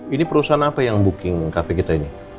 ini perusahaan apa yang booking cafe kita ini